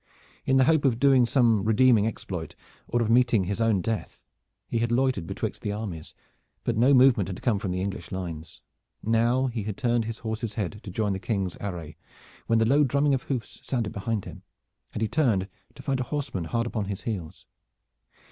In the hope of doing some redeeming exploit, or of meeting his own death, he had loitered betwixt the armies, but no movement had come from the English lines. Now he had turned his horse's head to join the King's array, when the low drumming of hoofs sounded behind him, and he turned to find a horseman hard upon his heels.